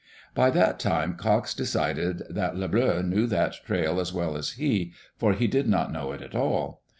By that time, Cox decided that Le Bleu knew that trail as well as he, for he did not know it at all.